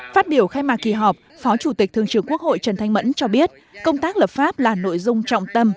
phát biểu khai mạc kỳ họp phó chủ tịch thường trưởng quốc hội trần thanh mẫn cho biết công tác lập pháp là nội dung trọng tâm